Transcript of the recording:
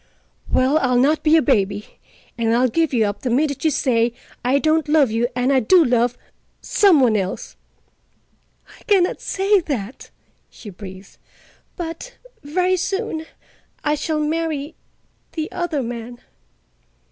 Well, I'll not be a baby, and I'll give you up the minute you say 'I don't love you and I do love—some one else'!" "I can not say that," she breathed, "but, very soon, I shall marry—the other man."